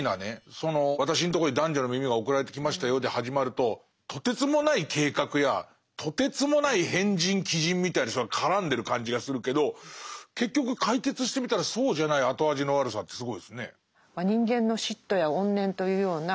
その私のとこに男女の耳が送られてきましたよで始まるととてつもない計画やとてつもない変人奇人みたいな人が絡んでる感じがするけど結局解決してみたらそうじゃない後味の悪さってすごいですね。